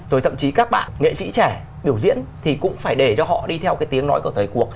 rồi thậm chí các bạn nghệ sĩ trẻ biểu diễn thì cũng phải để cho họ đi theo cái tiếng nói của thời cuộc